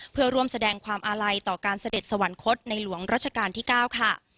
เพื่อร่วมแสดงความอาลัยต่อการเสด็จสวรรคตในหลวงรัชกาลที่๙ค่ะ